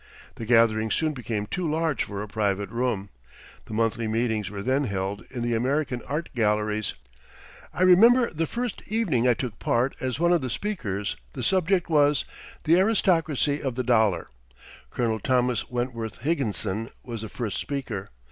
The gatherings soon became too large for a private room. The monthly meetings were then held in the American Art Galleries. I remember the first evening I took part as one of the speakers the subject was "The Aristocracy of the Dollar." Colonel Thomas Wentworth Higginson was the first speaker.